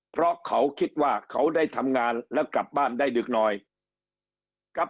เพราะเขาคิดว่าเขาได้ทำงานแล้วกลับบ้านได้ดึกหน่อยกับ